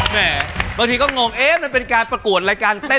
บางทีก็งงเอ๊ะมันเป็นการประกวดอะไรกันนะครับ